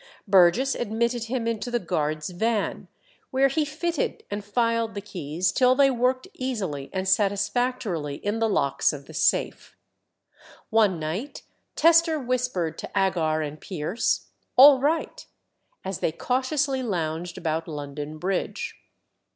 Burgess admitted him into the guard's van, where he fitted and filed the keys till they worked easily and satisfactorily in the locks of the safe. One night Tester whispered to Agar and Pierce, "All right," as they cautiously lounged about London Bridge.